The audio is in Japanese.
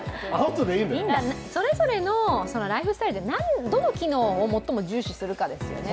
それぞれのライフスタイルでどの機能を最も重視するかですよね。